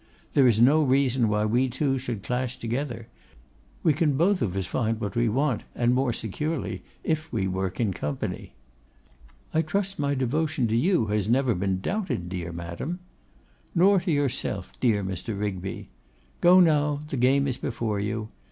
There is no reason why we two should clash together: we can both of us find what we want, and more securely if we work in company.' 'I trust my devotion to you has never been doubted, dear madam.' 'Nor to yourself, dear Mr. Rigby. Go now: the game is before you.